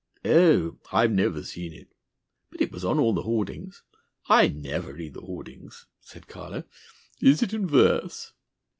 '" "Oh! I've never seen it." "But it was on all the hoardings!" "I never read the hoardings," said Carlo. "Is it in verse?"